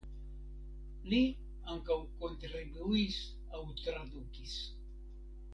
Li ankaŭ kontribuis aŭ tradukis.